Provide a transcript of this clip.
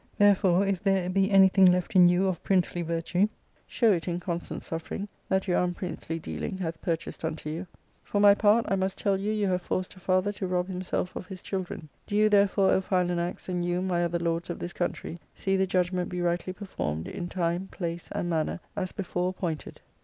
Therefore, if there be anything left in you of princely virtue, show it in constant suffering that your unprincely dealing hath purchased unto you. For my part, I must tell you you have forced a father to rob himself of his children. Do you therefore, O Philanax, and you my other lords of this country, see the judgment be rightly performed in time, place, and manner as before appointed."